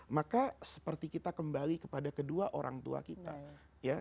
maka seperti kita kembali kepada kedua orang tua kita